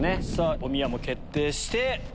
さぁおみやも決定して。